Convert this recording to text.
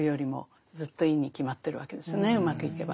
うまくいけば。